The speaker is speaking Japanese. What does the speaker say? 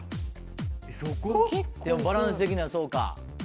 そこ？でもバランス的にはそうか。